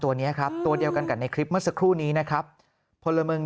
ตัวนี้ครับตัวเดียวกันกับในคลิปเมื่อสักครู่นี้นะครับพลเมือง